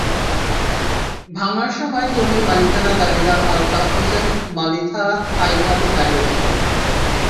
ভাঙার সময় জমির মালিকানা দাবিদার আলতাফ হোসেন মালিথা ফাইল হাতে দাঁড়িয়ে ছিলেন।